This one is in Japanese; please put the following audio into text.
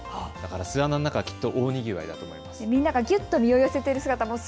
巣穴の中はきっと大にぎわいだと思います。